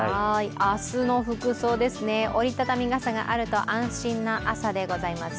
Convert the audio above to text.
明日の服装ですね、折りたたみ傘があると安心な朝でございます。